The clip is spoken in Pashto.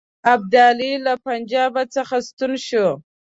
ابدالي له پنجاب څخه ستون شو.